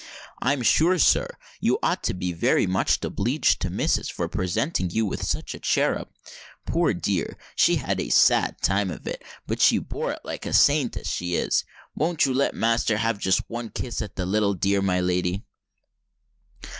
"I'm sure, Sir, you ought to be wery much obleeged to missus for presenting you with such a cherub. Poor dear! she had a sad time of it—but she bore it like a saint, as she is. Won't you let master have just one kiss at the little dear, my lady?"